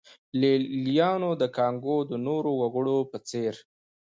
لېلیانو د کانګو د نورو وګړو په څېر.